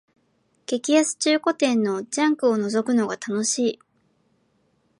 激安中古店のジャンクをのぞくのが楽しい